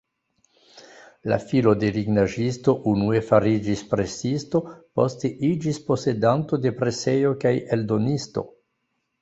La filo de lignaĵisto unue fariĝis presisto, poste iĝis posedanto de presejo kaj eldonisto.